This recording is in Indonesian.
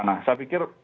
nah saya pikir